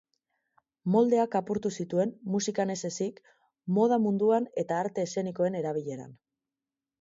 Moldeak apurtu zituen musikan ez ezik, moda munduan eta arte eszenikoen erabileran.